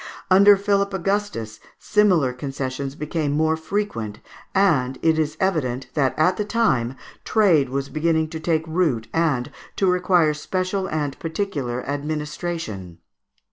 Under Philip Augustus similar concessions became more frequent, and it is evident that at that time trade was beginning to take root and to require special and particular administration.